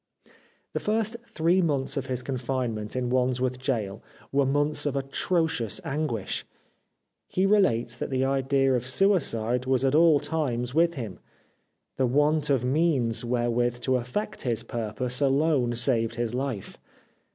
The first three months of his confinement in Wands worth Gaol were months of atrocious anguish. He relates that the idea of suicide was at all times with him ; the want of means wherewith to effect his purpose alone saved his life.